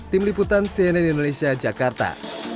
tim liputan cnn indonesia jakarta